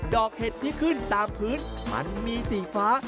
เห็ดที่ขึ้นตามพื้นมันมีสีฟ้า